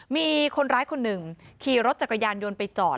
มีคนร้ายคนหนึ่งขี่รถจักรยานยนต์ไปจอด